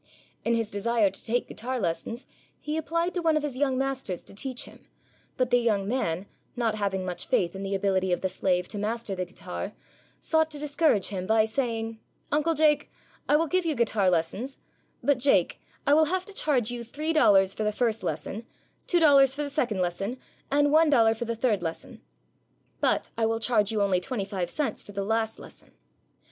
In his desire to take guitar lessons he applied to one of his young masters to teach him; but the young man, not having much faith in the ability of the slave to master the guitar, sought to discourage him by saying, "Uncle Jake, I will give you guitar lessons; but, Jake, I will have to charge you three dollars for the first lesson, two dollars for the second lesson, and one dollar for the third lesson. But I will charge you only twenty five cents for the last lesson."